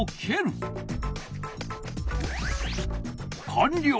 かんりょう！